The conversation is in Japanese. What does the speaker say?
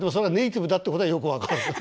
でもネイティブだってことはよく分かる。